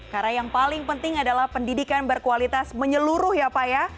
karena yang paling penting adalah pendidikan berkualitas menyeluruh ya pak ya